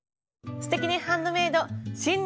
「すてきにハンドメイド」新年